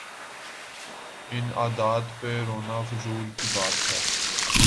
ان عادات پہ رونا فضول کی بات ہے۔